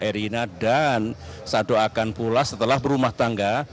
dan mbak erina dan saya doakan pula setelah berumah tangga